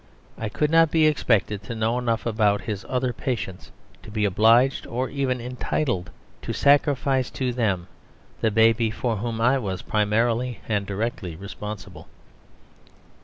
I could not be expected to know enough about his other patients to be obliged (or even entitled) to sacrifice to them the baby for whom I was primarily and directly responsible.